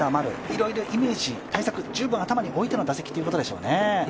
いろいろイメージ、対策、十分頭に置いての打席でしょうね。